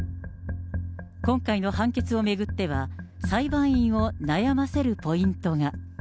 今回の判決を巡っては、裁判員を悩ませるポイントが。